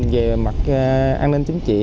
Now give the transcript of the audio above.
về mặt an ninh chính trị